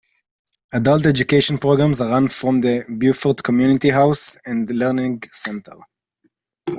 Adult education programs are run from the Beaufort Community House and Learning Centre.